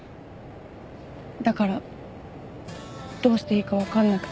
だからどうしていいか分かんなくて。